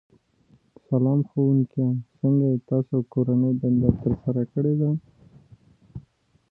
د پوهې او معرفت په وسیله یې قوي کړو.